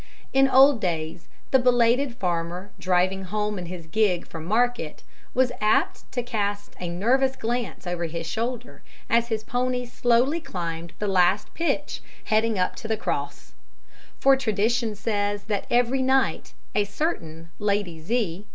In old days the belated farmer driving home in his gig from market was apt to cast a nervous glance over his shoulder as his pony slowly climbed the last pitch leading up to the Cross. For tradition says that every night a certain Lady Z.